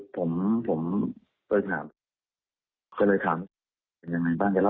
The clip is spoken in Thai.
ผมผมไปถามเกิดเลยถามอย่างยังไงบ้าง